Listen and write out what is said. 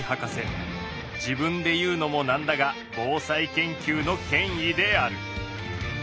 自分で言うのも何だが防災研究の権威である。